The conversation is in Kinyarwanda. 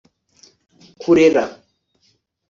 kurera